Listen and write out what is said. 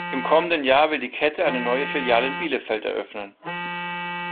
Im kommenden Jahr will die Kette eine neue Filiale in Bielefeld eröffnen.